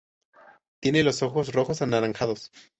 Tiene los ojos rojos anaranjados.